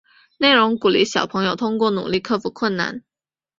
内容鼓励小朋友通过努力克服困难。